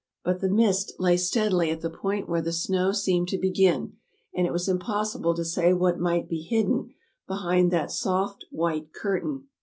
But the mist lay steadily at the point where the snow seemed to begin, and it was im possible to say what might be hidden behind that soft white curtain.